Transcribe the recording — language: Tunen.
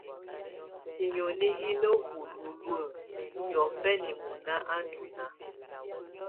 Hinoni hi ná hululuǝ́ niɔ̀fɛna mɔ́ná á ndɔ́ náá.